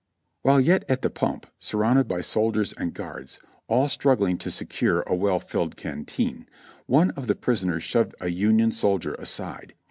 While yet at the pump, surrounded by soldiers and guards, all struggling to secure a well filled canteen, one of the prisoners shoved a Union soldier aside.